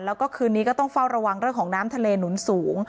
แล้วก็คืนนี้ก็ต้องเฝ้าระวังเรื่องของน้ำทะเลหนุนสูง